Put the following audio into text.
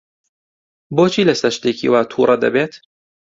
بۆچی لەسەر شتێکی وا تووڕە دەبێت؟